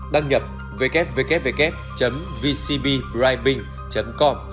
đăng nhập www vcbribing com